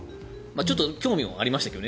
ちょっと興味ありましたけど。